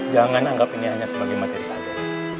jangan anggap ini hanya sebagai materi saja